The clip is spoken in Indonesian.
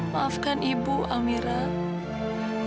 maafkan ibu amirah